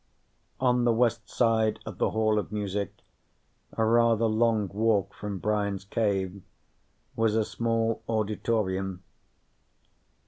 On the west side of the Hall of Music, a rather long walk from Brian's cave, was a small auditorium.